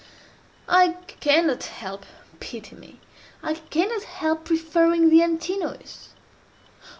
I cannot help—pity me!—I cannot help preferring the Antinous.